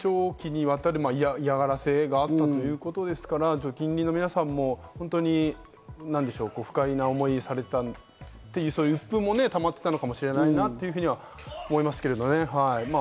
長期にわたる嫌がらせがあったということですから、近隣の皆さんも不快な思いをされた、うっぷんもたまっていたのかもしれないなと思いますけどね。